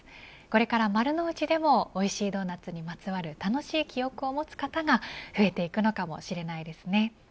これから、丸の内でもおいしいドーナツにまつわる楽しい記憶を持つ方が増えていくかのかもしれないですね。